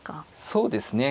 そうですね。